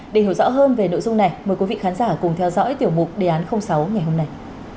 để hiểu rõ hơn về nội dung này mời quý vị khán giả cùng theo dõi tiểu mục đề án sáu ngày hôm nay